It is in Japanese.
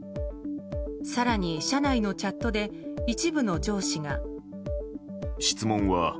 更に社内のチャットで一部の上司が。